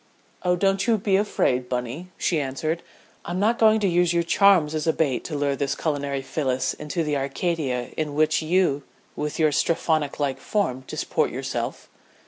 "Oh, don't you be afraid, Bunny," she answered. "I'm not going to use your charms as a bait to lure this culinary Phyllis into the Arcadia in which you with your Strephonlike form disport yourself."